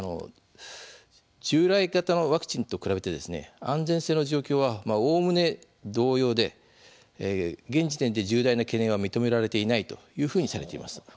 従来型のワクチンと比べて安全性の状況はおおむね同様で現時点で重大な懸念は認められていないというふうにされています。